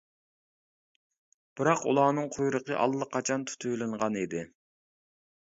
بىراق، ئۇلارنىڭ قۇيرۇقى ئاللىقاچان تۇتۇۋېلىنغان ئىدى.